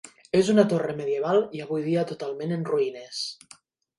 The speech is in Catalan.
És una torre medieval i avui dia totalment en ruïnes.